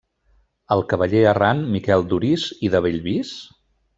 El cavaller errant Miquel d'Orís i de Bellvís?